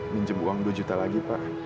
minjem uang dua juta lagi pak